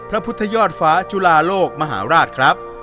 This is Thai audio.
พระพุทธยอดฟ้าจุลาโลกมหาราชครับ